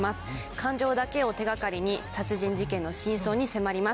感情だけを手掛かりに殺人事件の真相に迫ります。